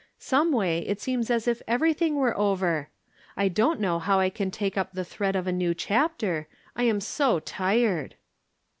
" Someway, it seems as if everything were over. I don't know how I can take up the thread of a new chapter, I am so tired."